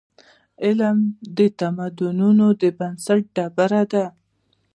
علم د تمدنونو د بنسټ ډبره ده.